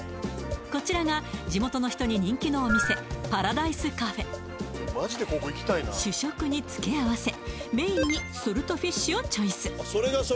こちらが地元の人に人気のお店主食に付け合わせメインにソルトフィッシュをチョイス